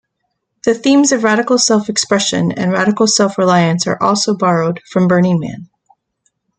The themes of radical self-expression and radical self-reliance are also borrowed from Burning Man.